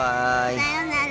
さようなら。